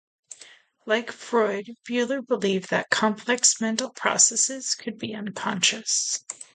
Like Freud, Bleuler believed that complex mental processes could be unconscious.